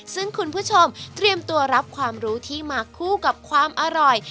ซึ่งคุณผู้ชมเตรียมตัวรับความรู้ที่มาคู่กับความอร่อย